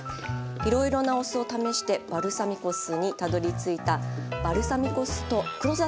いろいろなお酢を試してバルサミコ酢にたどりついたバルサミコ酢と黒砂糖ですね